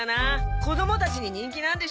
子供たちに人気なんでしょ？